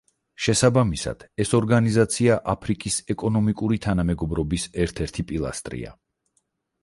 შესაბამისად, ეს ორგანიზაცია აფრიკის ეკონომიკური თანამეგობრობის ერთ-ერთი პილასტრია.